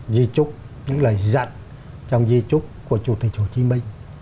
di chúc những lời dặn trong di trúc của chủ tịch hồ chí minh